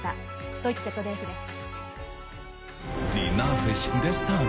ドイツＺＤＦです。